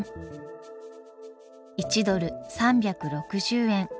１ドル３６０円